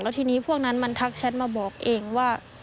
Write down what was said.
ทีนี้พวกนั้นมันทักแชทมาบอกเองว่า